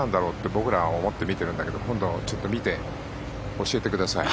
僕ら思って見てるんだけど今度、ちょっと見て教えてください。